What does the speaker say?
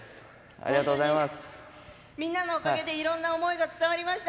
ありがとうございます。